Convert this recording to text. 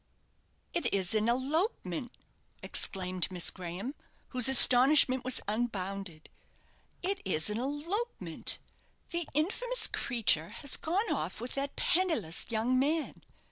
"It is an elopement!" exclaimed Miss Graham, whose astonishment was unbounded. "It is an elopement! The infamous creature has gone off with that penniless young man.